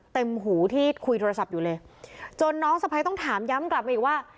หูที่คุยโทรศัพท์อยู่เลยจนน้องสะพ้ายต้องถามย้ำกลับมาอีกว่า